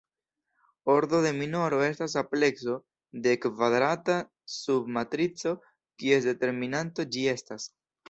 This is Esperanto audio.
Ordo de minoro estas amplekso de la kvadrata sub-matrico kies determinanto ĝi estas.